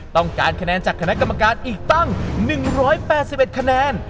ต้องการคะแนนจากคณะกรรมการอีกตั้ง๑๘๑คะแนน